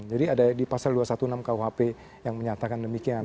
jadi ada di pasal dua ratus enam belas khp yang menyatakan demikian